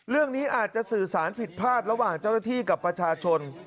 เรื่องนี้อาจจะสื่อสารผิดพลาดระหว่างเจ้าหน้าที่กับประชาชน